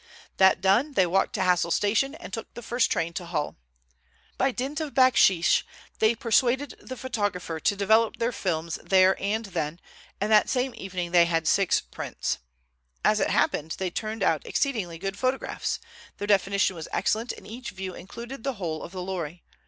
That done, they walked to Hassle station, and took the first train to Hull. By dint of baksheesh they persuaded the photographer to develop their films there and then, and that same evening they had six prints. As it happened they turned out exceedingly good photographs. Their definition was excellent, and each view included the whole of the lorry.